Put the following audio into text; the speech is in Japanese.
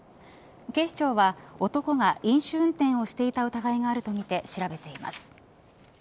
警視庁は、男が飲酒運転をしていた疑いがあるとみて調べています。